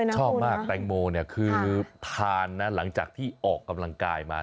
ชอบมากแตงโมเนี่ยคือทานนะหลังจากที่ออกกำลังกายมา